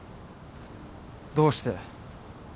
どうして。